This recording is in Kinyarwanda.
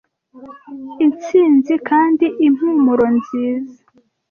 intsinzi kandi impumuro nziza